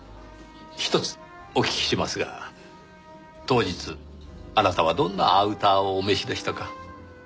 ひとつお聞きしますが当日あなたはどんなアウターをお召しでしたか？